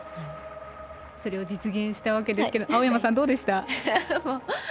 それを実現したわけですけれども、青山さんどうでした？